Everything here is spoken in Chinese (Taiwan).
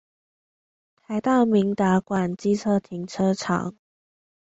臺大明達館機車停車場